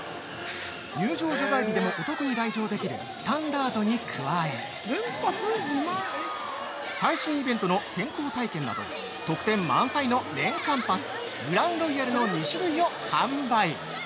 入場除外日でもお得に来場できる「スタンダード」に加え、最新イベントの先行体験など特典満載の年間パス「グランロイヤル」の２種類を販売！